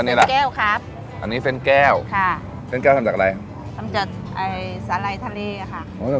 นี่แหละแก้วครับอันนี้เส้นแก้วค่ะเส้นแก้วทำจากอะไรทำจากสาลัยทะเลอ่ะค่ะ